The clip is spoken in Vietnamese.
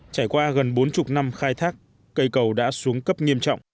trải qua gần bốn mươi năm khai thác cây cầu đã xuống cấp nghiêm trọng